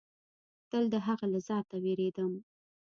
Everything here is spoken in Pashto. تل د هغه له ذاته وېرېدم.